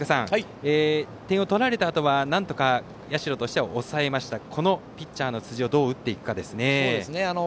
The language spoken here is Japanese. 点を取られたあとは社としては抑えましたがこのピッチャーの辻をどう打っていくかですね。